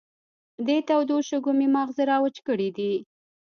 دې تودو شګو مې ماغزه را وچ کړې دي.